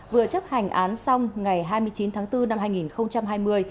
vừa chấp hành án xong ngày hai mươi chín tháng bốn năm hai nghìn hai mươi